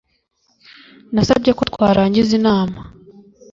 Nasabye ko twarangiza inama.